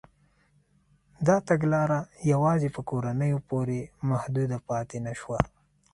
دا تګلاره یوازې په کورنیو پورې محدوده پاتې نه شوه.